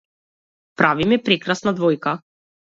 Правиме прекрасна двојка.